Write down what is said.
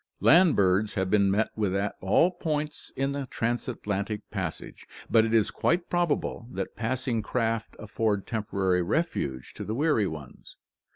Land birds have been met with at all points in the transatlantic passage, but it is quite probable that passing craft afford temporary refuge to the weary ones.